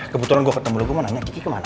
kebetulan gue ketemu lo gue mau nanya kiki kemana